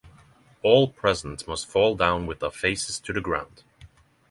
All present must fall down with their faces to the ground.